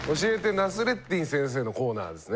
ナスレッディン先生」のコーナーですね